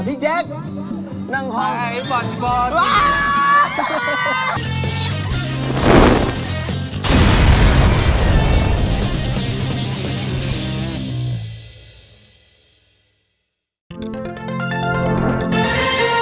พี่เจ๊นั่งไหวบ่นบ่น